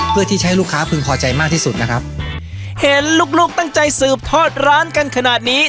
เพื่อที่จะให้ลูกค้าพึงพอใจมากที่สุดนะครับเห็นลูกลูกตั้งใจสืบทอดร้านกันขนาดนี้